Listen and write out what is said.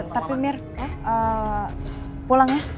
tapi mir pulang ya